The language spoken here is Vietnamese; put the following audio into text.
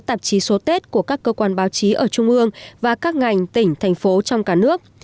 tạp chí số tết của các cơ quan báo chí ở trung ương và các ngành tỉnh thành phố trong cả nước